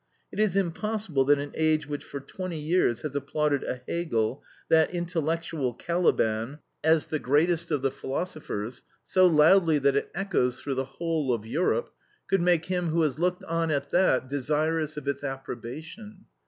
It is impossible that an age which for twenty years has applauded a Hegel, that intellectual Caliban, as the greatest of the philosophers, so loudly that it echoes through the whole of Europe, could make him who has looked on at that desirous of its approbation.